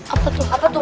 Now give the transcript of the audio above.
apa tuh apa tuh